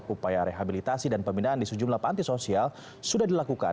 upaya rehabilitasi dan pembinaan di sejumlah panti sosial sudah dilakukan